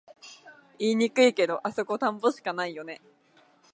言いにくいけど、あそこ田んぼしかないよね